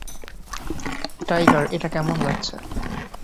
Tiger, এটা কেমন লাগছে?